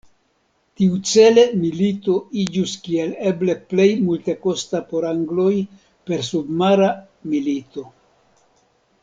Tiucele milito iĝus kiel eble plej multekosta por angloj per submara milito.